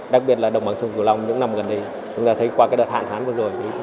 đặc biệt là đồng bằng sông cửu long những năm gần đây chúng ta thấy qua đợt hạn hán vừa rồi